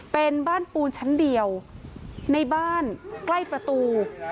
เป็นบ้านปูนชั้นเดียวในบ้านใกล้ประตู